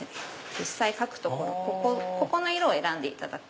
実際書くところここの色を選んでいただく。